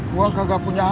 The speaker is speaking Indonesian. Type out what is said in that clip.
gua kagak punya hp